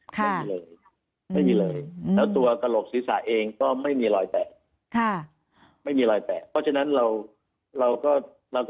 และสำหรับตัวหลวงศนีรชาเองก็ไม่ใช่รอยแตะ